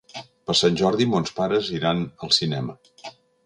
Per Sant Jordi mons pares iran al cinema.